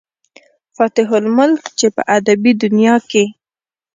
فاتح الملک، چې پۀ ادبي دنيا کښې